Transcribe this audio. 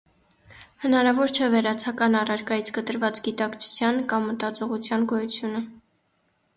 Հնարավոր չէ վերացական, առարկայից կտրված գիտակցության կամ մտածողության գոյությունը։